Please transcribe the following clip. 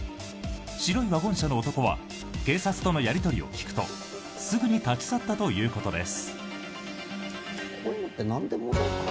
白いワゴン車の男は警察とのやり取りを聞くとすぐに立ち去ったということです。